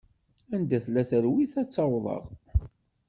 Anda tella talwit ad tt-awḍeɣ.